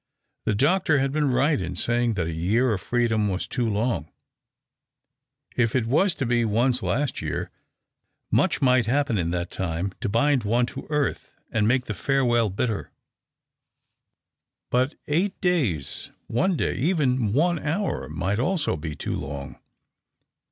The doctor had been right in saying that a year of freedom was too long, if it was to be one's last year ; much might happen in that time to bind one to earth and make the farewell THE OCTAVE OF CLAUDIUS. 181 bitter. But eight days, one day, even one hour might also be too long.